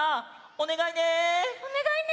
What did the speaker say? おねがいね。